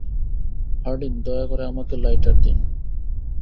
Hardinge, দয়া করে, আমাকে লাইটার দিন।